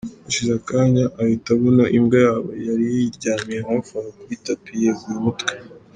Hashize akanya ahita abona imbwa yabo yari yiryamiye hafi aho kuri tapis yeguye umutwe.